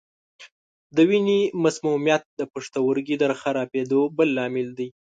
د وینې مسمومیت د پښتورګو د خرابېدو بل لامل دی.